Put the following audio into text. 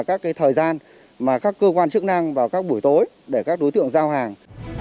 các thời gian mà các cơ quan chức năng vào các buổi tối để các đối tượng giao hàng